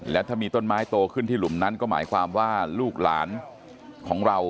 และถ้ามีต้นไม้โตขึ้นที่หลุมนั้นก็หมายความว่าลูกหลานของเรา